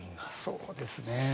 そうですね。